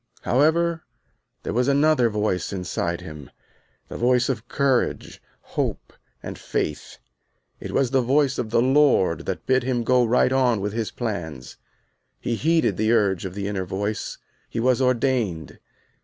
However there was another voice inside him, the voice of courage, hope and faith. It was the voice of the Lord that bid him go right on with his plans. He heeded the urge of the inner voice. He was ordained.